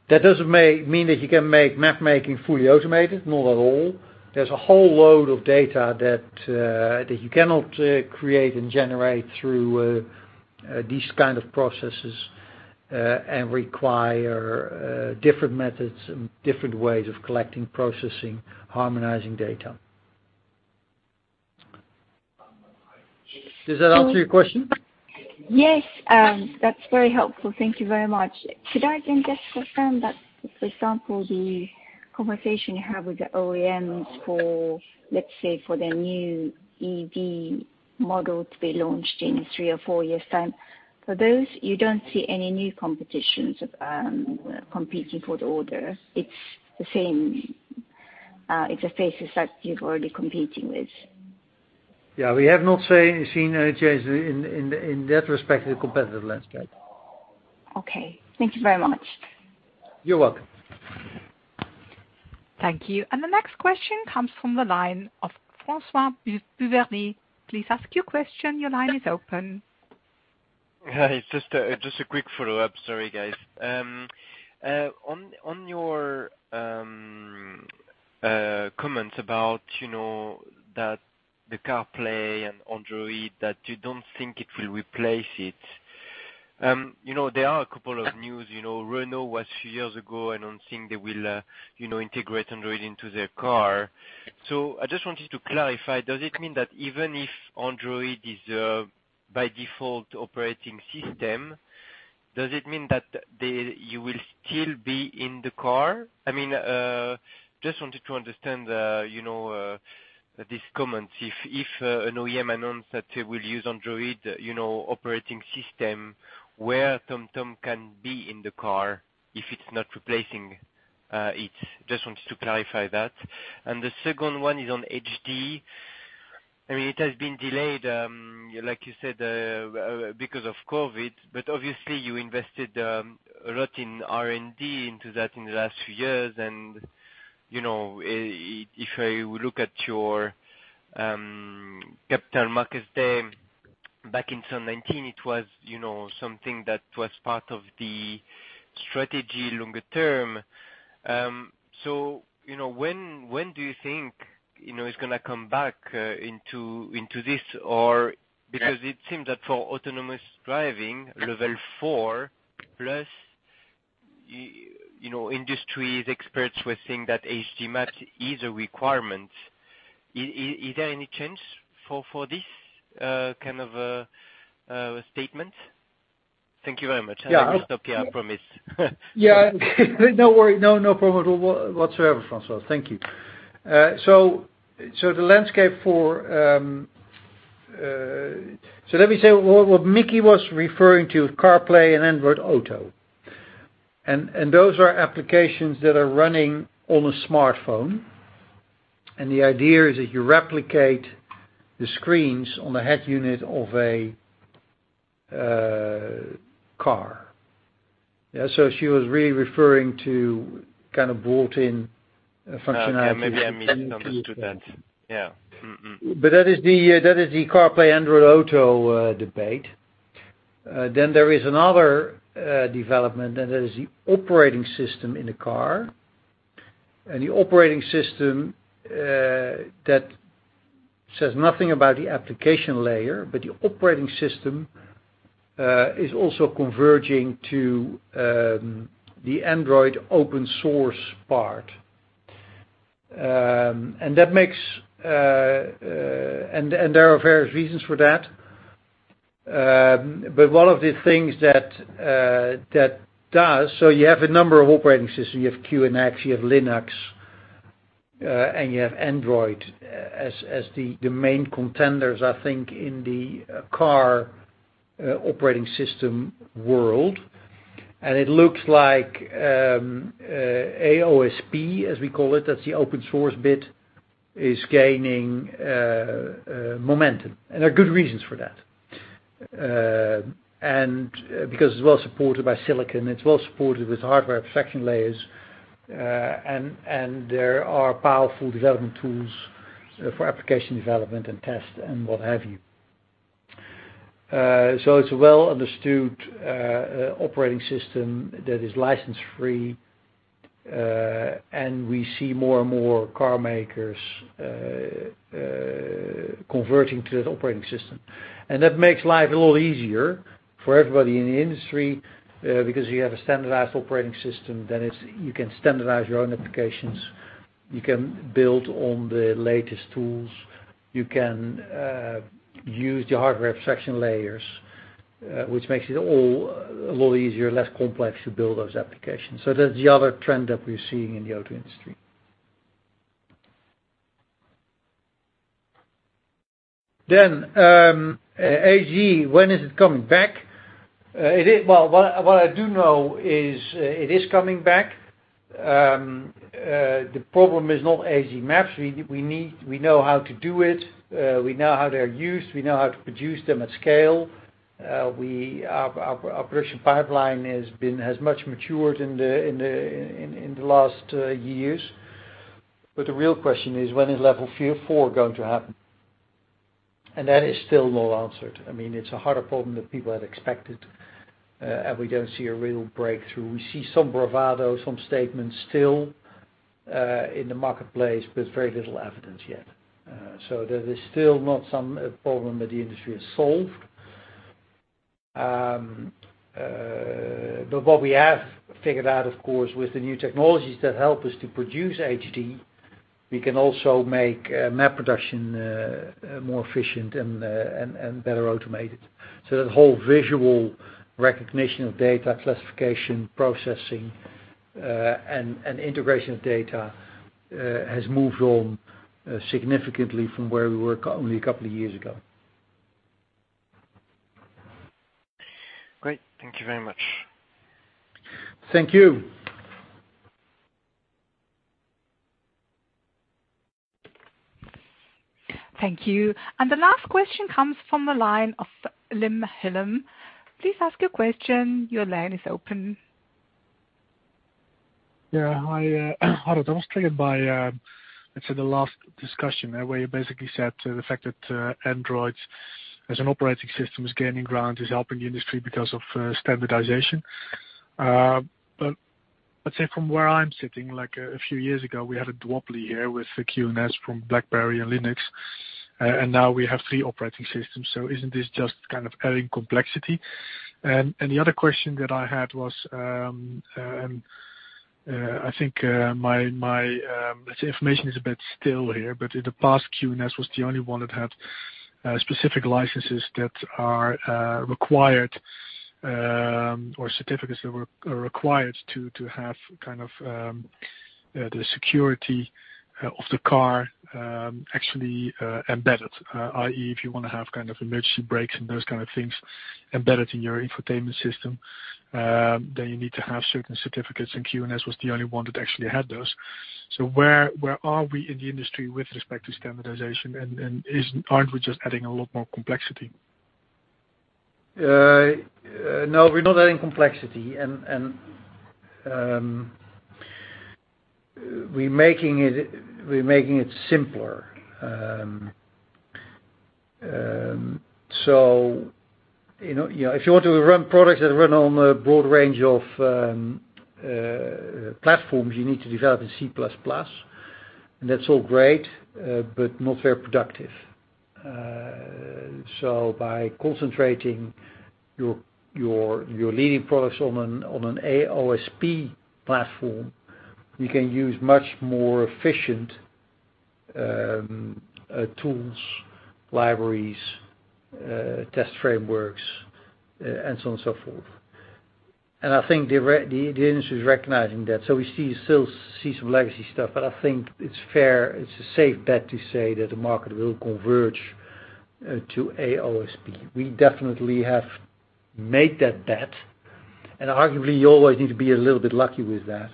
Speaker 3: That doesn't mean that you can make mapmaking fully automated. Not at all. There's a whole load of data that you cannot create and generate through these kind of processes, and require different methods and different ways of collecting, processing, harmonizing data. Does that answer your question?
Speaker 8: Yes. That's very helpful. Thank you very much. Could I then just confirm that, for example, the conversation you have with the OEMs for, let's say, for their new EV model to be launched in three or four years' time, for those, you don't see any new competitions competing for the order? It's the same interfaces that you're already competing with?
Speaker 3: Yeah, we have not seen a change in that respect of the competitive landscape.
Speaker 8: Okay. Thank you very much.
Speaker 3: You're welcome.
Speaker 1: Thank you. The next question comes from the line of François Duvernay. Please ask your question. Your line is open.
Speaker 5: Hi, just a quick follow-up. Sorry, guys. On your comments about the CarPlay and Android, that you don't think it will replace it. There are a couple of news. Renault was a few years ago announcing they will integrate Android into their car. I just wanted to clarify, does it mean that even if Android is a by default operating system, does it mean that you will still be in the car? Just wanted to understand these comments. If an OEM announced that they will use Android operating system, where TomTom can be in the car if it's not replacing it. Just wanted to clarify that. The second one is on HD. It has been delayed, like you said, because of COVID, but obviously you invested a lot in R&D into that in the last few years, and if I look at your Capital Markets Day back in 2019, it was something that was part of the strategy longer term. When do you think it's going to come back into this? It seems that for autonomous driving, level 4 plus, industry experts were saying that HD Map is a requirement. Is there any chance for this kind of a statement? Thank you very much. I'll stop here, I promise.
Speaker 3: Yeah. No worry. No problem whatsoever, François. Thank you. Let me say what Miki was referring to, CarPlay and Android Auto. Those are applications that are running on a smartphone, and the idea is that you replicate the screens on the head unit of a car. She was really referring to kind of built-in functionality-
Speaker 5: Okay. Maybe I misunderstood that. Yeah.
Speaker 3: That is the CarPlay, Android Auto debate. There is another development, that is the operating system in the car. The operating system, that says nothing about the application layer, the operating system, is also converging to the Android open source part. There are various reasons for that. One of the things that that does, you have a number of operating systems, you have QNX, you have Linux, and you have Android as the main contenders, I think, in the car operating system world. It looks like AOSP, as we call it, that's the open source bit, is gaining momentum. There are good reasons for that. It's well-supported by silicon, it's well-supported with hardware abstraction layers, and there are powerful development tools for application development and test and what have you. It's a well-understood operating system that is license-free. We see more and more car makers converting to that operating system. That makes life a lot easier for everybody in the industry, because you have a standardized operating system, then you can standardize your own applications, you can build on the latest tools, you can use the hardware abstraction layers, which makes it all a lot easier, less complex to build those applications. That's the other trend that we're seeing in the auto industry. HD, when is it coming back? Well, what I do know is it is coming back. The problem is not HD maps. We know how to do it. We know how they're used. We know how to produce them at scale. Our production pipeline has much matured in the last years. The real question is, when is level 4 going to happen? That is still not answered. It's a harder problem than people had expected, and we don't see a real breakthrough. We see some bravado, some statements still in the marketplace, but very little evidence yet. That is still not some problem that the industry has solved. What we have figured out, of course, with the new technologies that help us to produce HD, we can also make map production more efficient and better automated. That whole visual recognition of data classification, processing, and integration of data, has moved on significantly from where we were only a couple of years ago.
Speaker 5: Great. Thank you very much.
Speaker 3: Thank you.
Speaker 1: Thank you and the last question comes from the line of [Wim Gille]. Please ask your question. Your line is open.
Speaker 7: Yeah. Hi, Harold. I was triggered by, let's say, the last discussion where you basically said the fact that Android as an operating system is gaining ground, is helping the industry because of standardization. Let's say from where I'm sitting, a few years ago, we had a duopoly here with the QNX from BlackBerry and Linux, and now we have three operating systems. Isn't this just adding complexity? The other question that I had was, I think my information is a bit stale here, but in the past, QNX was the only one that had specific licenses that are required or certificates that were required to have the security of the car actually embedded, i.e., if you want to have emergency brakes and those kind of things embedded in your infotainment system, then you need to have certain certificates, and QNX was the only one that actually had those. Where are we in the industry with respect to standardization, and aren't we just adding a lot more complexity?
Speaker 3: No, we're not adding complexity. We're making it simpler. If you want to run products that run on a broad range of platforms, you need to develop in C++, and that's all great, but not very productive. By concentrating your leading products on an AOSP platform, you can use much more efficient tools, libraries, test frameworks, and so on and so forth. I think the industry is recognizing that. We still see some legacy stuff, but I think it's a safe bet to say that the market will converge to AOSP. We definitely have made that bet, and arguably, you always need to be a little bit lucky with that.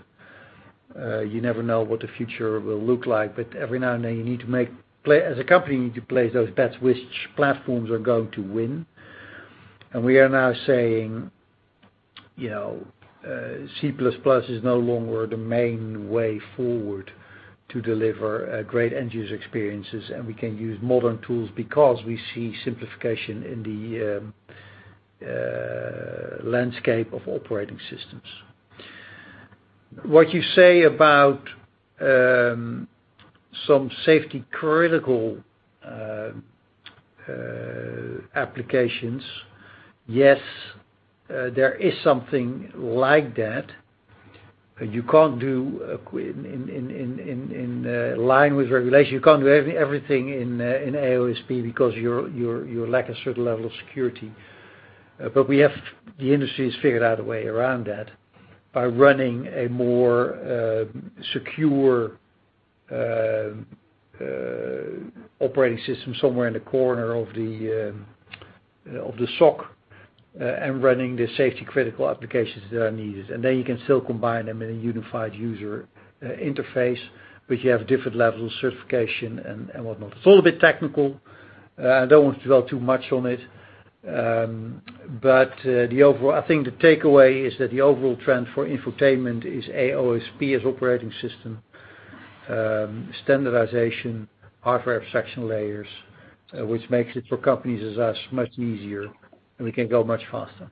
Speaker 3: You never know what the future will look like. Every now and then, as a company, you need to place those bets, which platforms are going to win. We are now saying C++ is no longer the main way forward to deliver great end-user experiences, and we can use modern tools because we see simplification in the landscape of operating systems. What you say about some safety-critical applications, yes, there is something like that. In line with regulation, you can't do everything in AOSP because you lack a certain level of security. The industry has figured out a way around that by running a more secure operating system somewhere in the corner of the SOC and running the safety-critical applications that are needed. Then you can still combine them in a unified user interface, but you have different levels of certification and whatnot. It's a little bit technical. I don't want to dwell too much on it. I think the takeaway is that the overall trend for infotainment is AOSP as operating system, standardization, hardware abstraction layers, which makes it for companies as us much easier, and we can go much faster.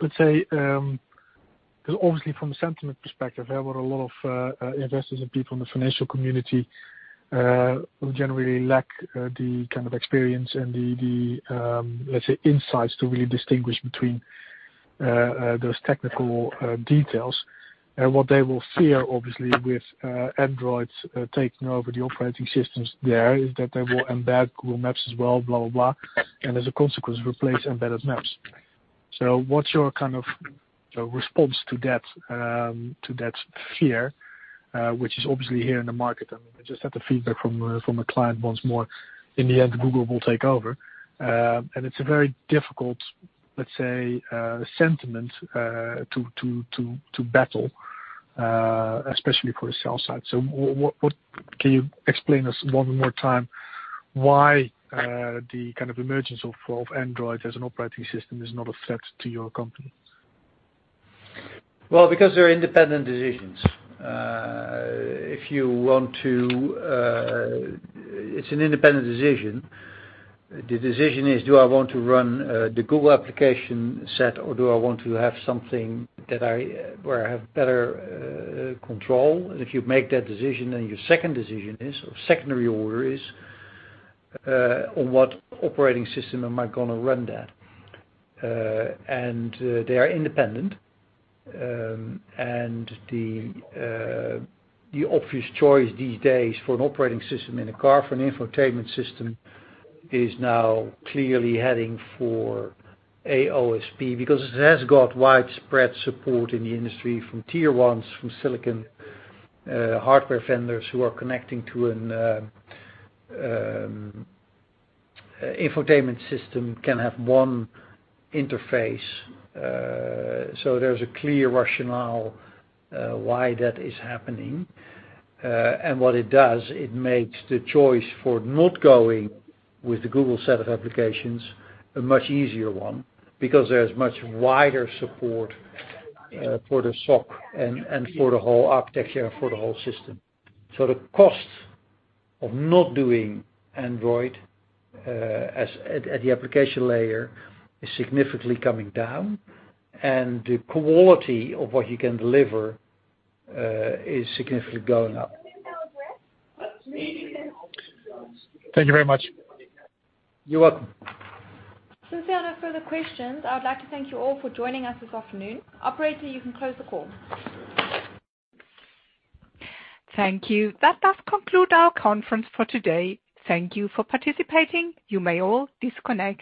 Speaker 7: Let's say, because obviously from a sentiment perspective, there were a lot of investors and people in the financial community who generally lack the kind of experience and the, let's say, insights to really distinguish between those technical details. What they will fear, obviously, with Android taking over the operating systems there is that they will embed Google Maps as well, blah, blah, and as a consequence, replace embedded maps. What's your response to that fear, which is obviously here in the market? I just had the feedback from a client once more. In the end, Google will take over. It's a very difficult, let's say, sentiment to battle, especially for the sell side. Can you explain us one more time why the kind of emergence of Android as an operating system is not a threat to your company?
Speaker 3: Well, because they're independent decisions. It's an independent decision. The decision is, do I want to run the Google application set, or do I want to have something where I have better control? If you make that decision, then your second decision is, or secondary order is, on what operating system am I going to run that? They are independent. The obvious choice these days for an operating system in a car, for an infotainment system, is now clearly heading for AOSP because it has got widespread support in the industry from tier 1s, from silicon hardware vendors who are connecting to an infotainment system can have one interface. There's a clear rationale why that is happening. What it does, it makes the choice for not going with the Google set of applications a much easier one because there's much wider support for the SOC and for the whole architecture and for the whole system. The cost of not doing Android at the application layer is significantly coming down, and the quality of what you can deliver is significantly going up.
Speaker 7: Thank you very much.
Speaker 3: You're welcome.
Speaker 2: Since we have no further questions, I would like to thank you all for joining us this afternoon. Operator, you can close the call.
Speaker 1: Thank you. That does conclude our conference for today. Thank you for participating. You may all disconnect.